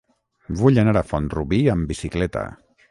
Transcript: Vull anar a Font-rubí amb bicicleta.